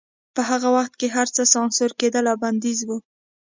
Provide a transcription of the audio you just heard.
په هغه وخت کې هرڅه سانسور کېدل او بندیز و